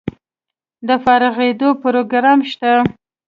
د فارغیدو پروګرام شته؟